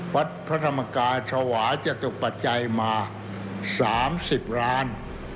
วัดพระธรรมกายชาวาจตุปัจจัยมา๓๐ล้าน